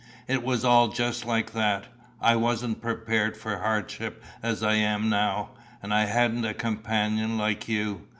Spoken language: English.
It was all just like that. I wasn't prepared for hardship as I am now, and I hadn't a companion like you.